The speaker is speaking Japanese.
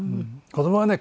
子どもはね